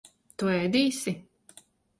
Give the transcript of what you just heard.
Tu ēdīsi?